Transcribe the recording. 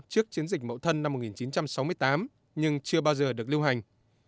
trước chiến dịch mậu thân năm một nghìn chín trăm sáu mươi tám nhưng chưa bao giờ được lưu hành